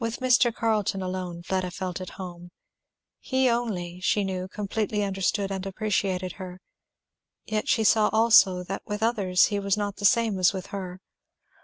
With Mr. Carleton alone Fleda felt at home. He only, she knew, completely understood and appreciated her. Yet she saw also that with others he was not the same as with her.